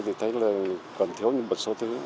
thì thấy là còn thiếu những bộ số thứ